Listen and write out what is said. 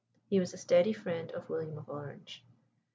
He was a steady friend of William of Orange.